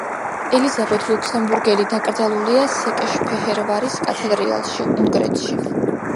ელიზაბეთ ლუქსემბურგელი დაკრძალულია სეკეშფეჰერვარის კათედრალში, უნგრეთში.